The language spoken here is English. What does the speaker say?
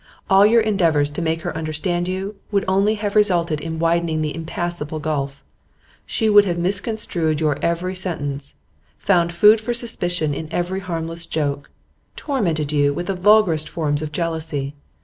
All your endeavours to make her understand you would only have resulted in widening the impassable gulf. She would have misconstrued your every sentence, found food for suspicion in every harmless joke, tormented you with the vulgarest forms of jealousy.